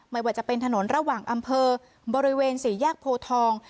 ไม่ว่าจะเป็นถนนระหว่างอำเภอบริเวณสี่แยกโพทอง